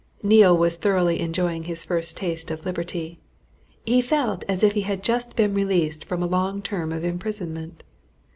Neale was thoroughly enjoying his first taste of liberty. He felt as if he had just been released from a long term of imprisonment.